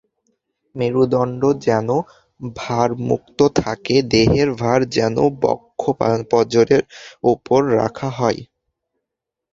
মেরুদণ্ড যেন ভারমুক্ত থাকে, দেহের ভার যেন বক্ষ-পঞ্জরের উপর রাখা হয়।